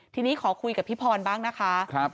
ทีนี้ขอคุยกับพี่พรบ้างนะคะ